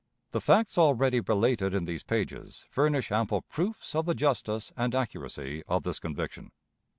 The facts already related in these pages furnish ample proofs of the justice and accuracy of this conviction.